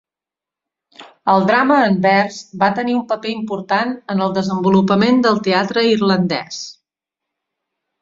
El drama en vers va tenir un paper important en el desenvolupament del teatre irlandès.